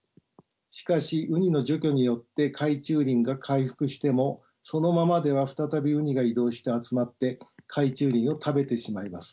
しかしウニの除去によって海中林が回復してもそのままでは再びウニが移動して集まって海中林を食べてしまいます。